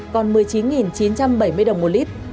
còn một mươi chín chín trăm bảy mươi đồng một lít